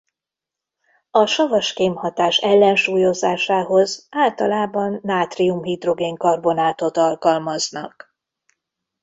A savas kémhatás ellensúlyozásához általában nátrium-hidrogénkarbonátot alkalmaznak.